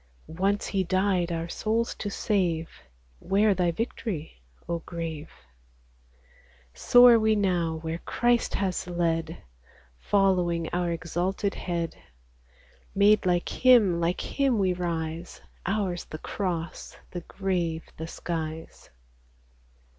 Once he died our souls to save : Where thy victory, O grave ? 68 Soar we now where Christ has led, Following our exalted Head • Made like Him, like Him we rise ; Ours the cross, the grave, the skies.